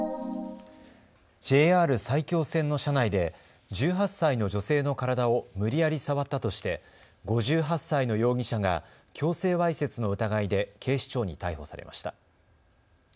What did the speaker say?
ＪＲ埼京線の車内で１８歳の女性の体を無理やり触ったとして５８歳の容疑者が強制わいせつの疑いで警視庁に逮捕されました。